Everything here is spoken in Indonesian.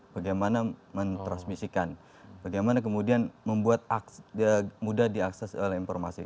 bagaimana mentransmisikan bagaimana kemudian membuat mudah diakses oleh informasi